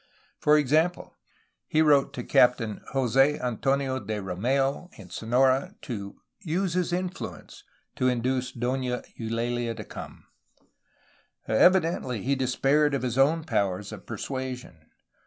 For example, he wrote to Captain Jose Antonio de Rom^u in Sonora to '^use his influence '' to induce Dona EulaHa to come; evidently he despaired of his own powers of persua sion.